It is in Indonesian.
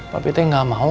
papi teh gak mau